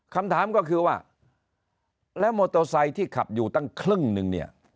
คำถามก็คือว่าแล้วมอเตอร์ไซค์ที่ขับอยู่ตั้งครึ่งนึงเนี่ย